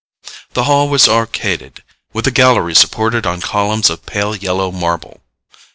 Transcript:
The hall was arcaded, with a gallery supported on columns of pale yellow marble.